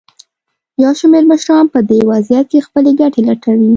یو شمېر مشران په دې وضعیت کې خپلې ګټې لټوي.